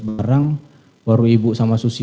barang baru ibu sama susi